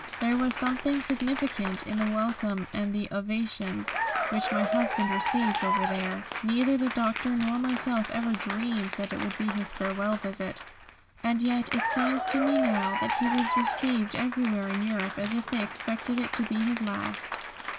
There was something significant in the welcome and the ovations which my husband received over there. Neither the Doctor nor myself ever dreamed that it would be his farewell visit. And yet it seems to me now that he was received everywhere in Europe as if they expected it to be his last.